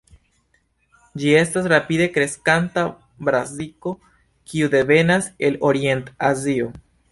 Ĝi estas rapide kreskanta brasiko, kiu devenas el Orient-Azio.